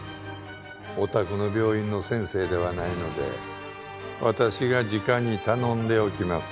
おたくの病院の先生ではないので私がじかに頼んでおきます。